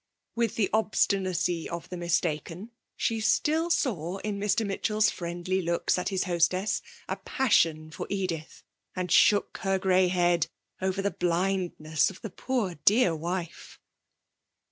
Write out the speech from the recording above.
With the obstinacy of the mistaken she still saw in Mr. Mitchell's friendly looks at his hostess a passion for Edith, and shook her grey head over the blindness of the poor dear wife.